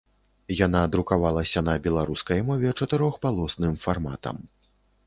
Яна друкавалася на беларускай мове чатырохпалосным фарматам.